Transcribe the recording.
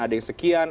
ada yang sekian